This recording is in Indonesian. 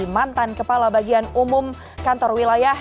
mantan kepala bagian umum kantor wilayah